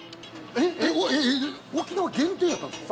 えっ？沖縄限定やったんですか？